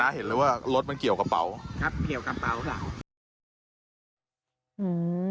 แต่น่าเห็นเลยว่ารถมันเกี่ยวกับเบาครับเกี่ยวกับเบาครับ